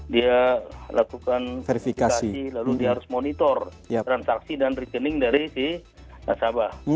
dia lakukan verifikasi lalu dia harus monitor transaksi dan rekening dari si nasabah